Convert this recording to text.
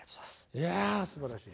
いやすばらしい！